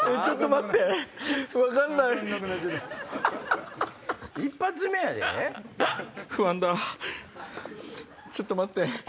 ちょっと待って。